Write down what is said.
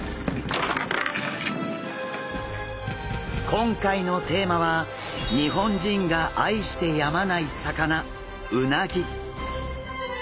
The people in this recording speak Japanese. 今回のテーマは日本人が愛してやまない魚うなぎ。